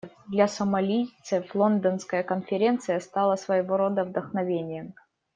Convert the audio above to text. Для сомалийцев Лондонская конференция стала своего рода вдохновением.